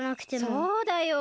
そうだよ。